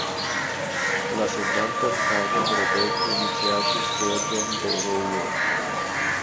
La sekvantan tagon Roberto iniciatis sieĝon de Rouen.